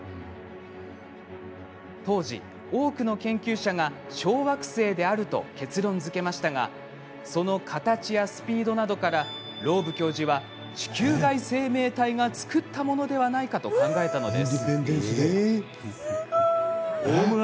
当時、多くの研究者が小惑星であると結論づけましたがその形やスピードなどから地球外生命体がつくったものではないかと考えたのです。